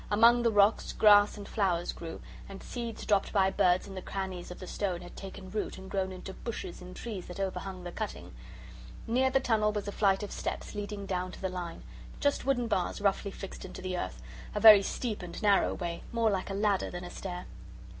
Among the rocks, grass and flowers grew, and seeds dropped by birds in the crannies of the stone had taken root and grown into bushes and trees that overhung the cutting. Near the tunnel was a flight of steps leading down to the line just wooden bars roughly fixed into the earth a very steep and narrow way, more like a ladder than a stair.